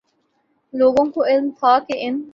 لوگوں کو علم تھا کہ ان